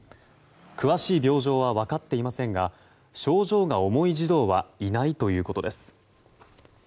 詳しい病状は分かっていませんが症状が重い児童はいないということです。